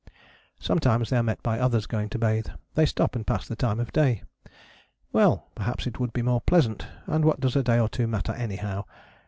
Sometimes they are met by others going to bathe. They stop and pass the time of day. Well! Perhaps it would be more pleasant, and what does a day or two matter anyhow.